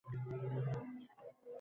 Do‘stimning gapiga qo‘shimcha: